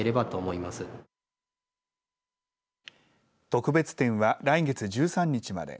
特別展は来月１３日まで。